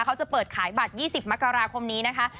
เขาจะเปิดขายบัตร๒๐มกราคมนี้นะคะ